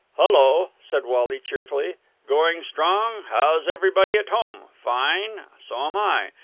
"Hullo!" said Wally cheerfully. "Going strong? How's everybody at home? Fine? So am I!